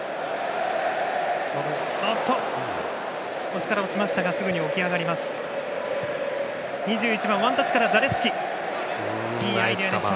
腰から落ちましたがすぐに起き上がりました。